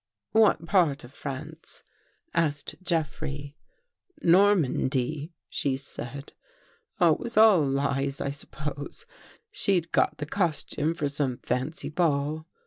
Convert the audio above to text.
"What part of France?" asked Jeffrey. 241 THE GHOST GIRE " Normandy, she said. Oh, it was all lies, I sup pose. She'd got the costume for some fancy ball.